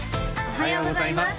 おはようございます